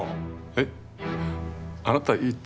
えっあなた一体？